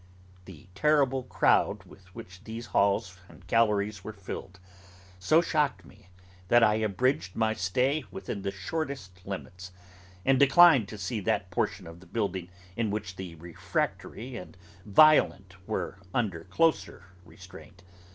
The terrible crowd with which these halls and galleries were filled, so shocked me, that I abridged my stay within the shortest limits, and declined to see that portion of the building in which the refractory and violent were under closer restraint.